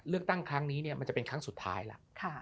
เลือกตั้งครั้งนี้มันจะเป็นครั้งสุดท้ายแล้ว